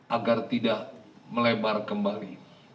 agar tidak melebar kembali